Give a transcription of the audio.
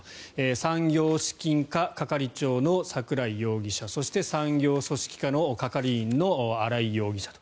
産業資金課係長の桜井容疑者そして、産業組織課の係員の新井容疑者と。